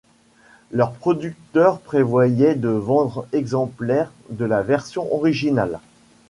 Les producteurs prévoyaient de vendre exemplaires de la version originale.